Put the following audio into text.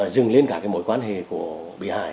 dừng lên cả cái mối quan hệ của bị hại